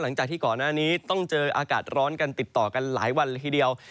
หลังจากที่ก่อนหน้านี้ต้องเจออากาศร้อนกันติดต่อกันหลายวันละทีเดียว